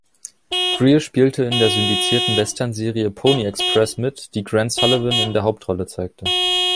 Greer spielte in der syndizierten Westernserie „Pony Express“ mit, die Grant Sullivan in der Hauptrolle zeigte.